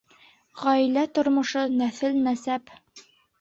Ғаилә тормошо, нәҫел-нәсәп